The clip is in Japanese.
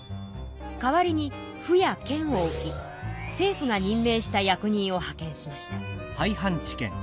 代わりに府や県を置き政府が任命した役人を派遣しました。